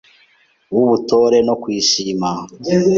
w’ubutore no kuyishima;